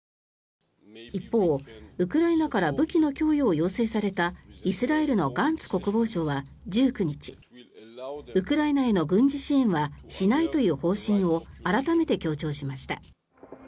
一方、ウクライナから武器の供与を要請されたイスラエルのガンツ国防相は１９日ウクライナへの軍事支援はしないという方針を改めて強調しました。